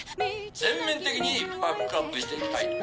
全面的にバックアップして行きたいと。